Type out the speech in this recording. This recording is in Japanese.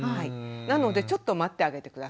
なのでちょっと待ってあげて下さい。